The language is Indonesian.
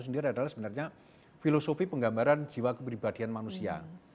sebenarnya filosofi penggambaran jiwa keperibadian manusia